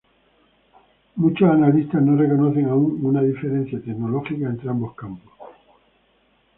Muchos analistas no reconocen aún una diferencia tecnológica entre ambos campos.